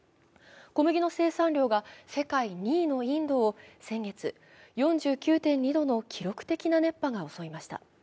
小麦の生産量が世界２位のインドを先月、４９．２度の記録的な熱波が襲いました。